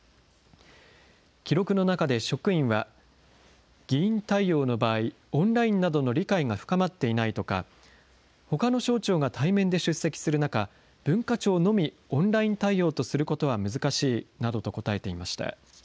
記録の中で職員は、議員対応の場合、オンラインなどの理解が深まっていないとか、ほかの省庁が対面で出席する中、文化庁のみオンライン対応とすることは難しいなどと答えていました。